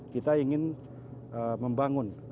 kita ingin membangun